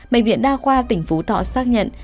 bệnh viện đa khoa tỉnh phú thọ xác nhận